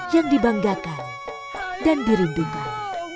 yang dibanggakan dan dirindukan